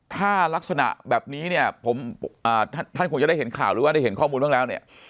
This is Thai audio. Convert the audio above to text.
ถ้ารักษณะแบบนี้เนี่ยผมท่านคงจะได้เห็นข่าวหรือว่าได้เห็นข้อมูลบ้างแล้วเนี่ย